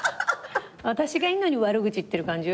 私がいるのに悪口言ってる感じよ。